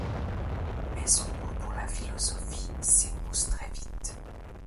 Mais son goût pour la philosophie s’émousse très vite.